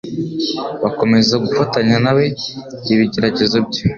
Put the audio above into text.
Bakomeza gufatanya na we ibigeragezo bye